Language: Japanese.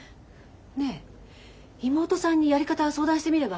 ねえ妹さんにやり方相談してみれば？